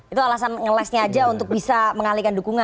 itu alasan ngelesnya aja untuk bisa mengalihkan dukungan